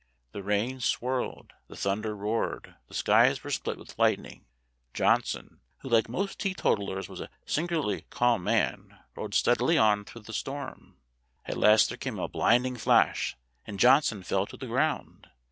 The rain swirled, the thunder roared, the skies were split with lightning. Johnson, who like most teetotalers was a singularly calm man, rode stead ily on through the storm. At last there came a blinding flash and Johnson fell to the ground.